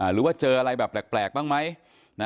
หรือว่าเจออะไรแบบแปลกบ้างไหม